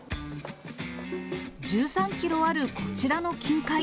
１３キロあるこちらの金塊。